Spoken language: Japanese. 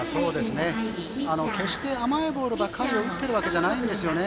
決して甘いボールばかりを打っているわけじゃないんですね。